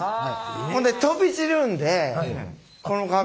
ほんで飛び散るんでこの格好を。